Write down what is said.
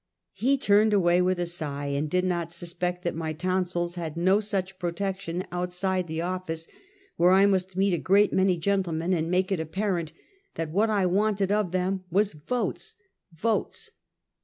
He turned away with a sigh, and did not suspect that my tonsils had no such protection outside the office, where I must meet a great many gentlemen and make it apparent that what I wanted of them was votes ! votes